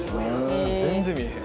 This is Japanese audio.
全然見えへん。